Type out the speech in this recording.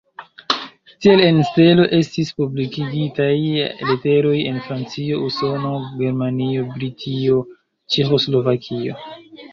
Tiel en "Stelo" estis publikigitaj leteroj el Francio, Usono, Germanio, Britio, Ĉeĥoslovakio.